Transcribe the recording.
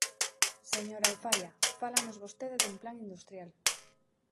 Señora Alfaia, fálanos vostede dun plan industrial.